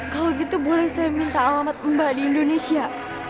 kalau gitu boleh saya minta alamat mbak di indonesia